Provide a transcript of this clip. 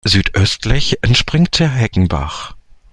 Südöstlich entspringt der Heckenbach.